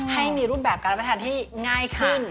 ให้มีรูปแบบการรับประทานที่ง่ายขึ้น